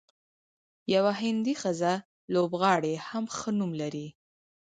یوه هندۍ ښځینه لوبغاړې هم ښه نوم لري.